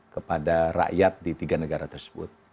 kepada rakyat di tiga negara tersebut